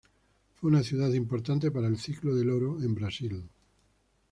Fue una ciudad importante para el "ciclo del oro" en Brasil.